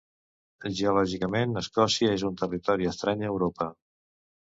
Geològicament, Escòcia és un territori estrany a Europa.